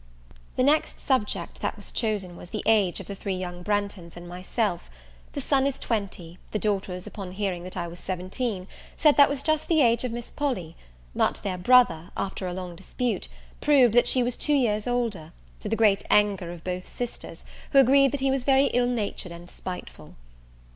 The next subject that was chosen was the age of the three young Branghtons and myself. The son is twenty; the daughters upon hearing that I was seventeen, said that was just the age of Miss Polly; but their brother, after a long dispute, proved that she was two years older, to the great anger of both sisters, who agreed that he was very ill natured and spiteful.